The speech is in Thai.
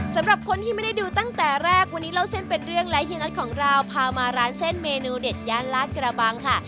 สำหรับคนที่ไม่ได้ดูตั้งแต่แรกวันนี้เล่าเส้นเป็นเรื่องและเฮียน็อตของเราพามาร้านเส้นเมนูเด็ดย่านลาดกระบังค่ะ